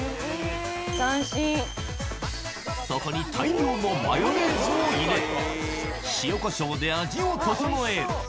そこに大量のマヨネーズを入れ、塩こしょうで味を調える。